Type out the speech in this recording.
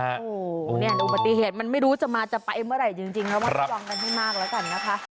โอ้โหเนี่ยอุบัติเหตุมันไม่รู้จะมาจะไปเมื่อไหร่จริงระมัดระวังกันให้มากแล้วกันนะคะ